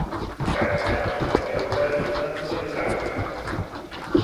Carregar-se de deutes, empenyorar-se.